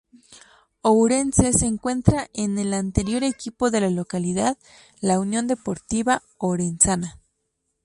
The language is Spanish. Ourense se encuentran en el anterior equipo de la localidad, la Unión Deportiva Orensana.